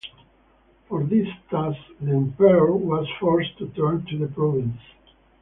For this task the Emperor was forced to turn to the provinces.